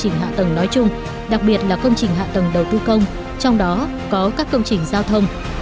công trình hạ tầng nói chung đặc biệt là công trình hạ tầng đầu tư công trong đó có các công trình giao thông